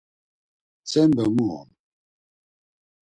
Tzembe mu on?